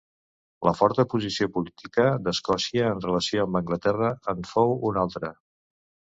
La forta posició política d'Escòcia en relació amb Anglaterra en fou un altre.